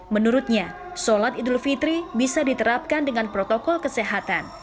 menurutnya sholat idul fitri bisa diterapkan dengan protokol kesehatan